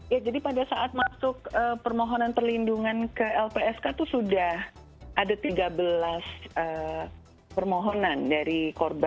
ya jadi pada saat masuk permohonan perlindungan ke lpsk itu sudah ada tiga belas permohonan dari korban